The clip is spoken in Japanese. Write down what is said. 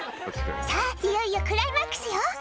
「さぁいよいよクライマックスよ」